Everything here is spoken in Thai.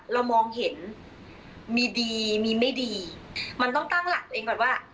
เรามองเห็นมีดีมีไม่ดีมันต้องตั้งหลักตัวเองก่อนว่า